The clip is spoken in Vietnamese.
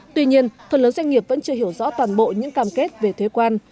tuy nhiên phần lớn doanh nghiệp vẫn chưa hiểu rõ toàn bộ những cam kết về thuế quan